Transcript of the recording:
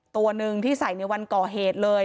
ตัวหนึ่งที่ใส่ในวันก่อเหตุเลย